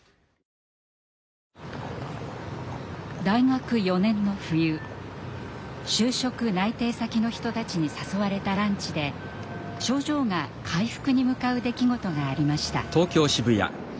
大学４年の冬就職内定先の人たちに誘われたランチで症状が回復に向かう出来事がありました。